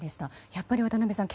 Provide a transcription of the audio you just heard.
やっぱり渡辺さん